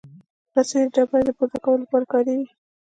رسۍ د ډبرې د پورته کولو لپاره کارېږي.